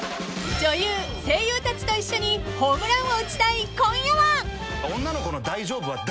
［女優声優たちと一緒にホームランを打ちたい今夜は］